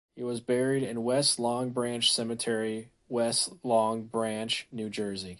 He was buried in West Long Branch Cemetery, West Long Branch, New Jersey.